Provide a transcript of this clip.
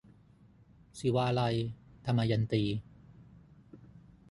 ศิวาลัย - ทมยันตี